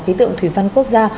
khí tượng thủy văn quốc gia